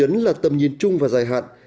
điểm nhấn là tầm nhìn chung và dài hạn